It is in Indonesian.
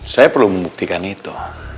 saya perlu membuktikan itu